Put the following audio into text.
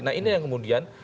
nah ini yang kemudian